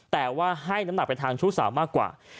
แต่ว่าให้น้ำหนักไปทางชู้สาวมากกว่า